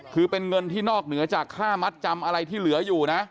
คือเป็นเงินที่นอกเหนือจากค่ามัดจำอะไรที่เหลืออยู่นะ